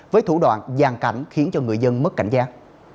với thủ đoạn gian cảnh khiến cho người dân mất cảnh giác